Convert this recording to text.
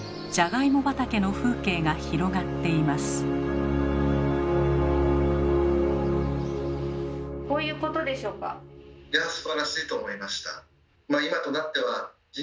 いやすばらしいと思いました。